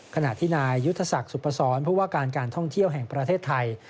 ขณะที่นายยุทธศักดิ์สุพศรผู้ว่าการการท่องเที่ยวแห่งประเทศไทย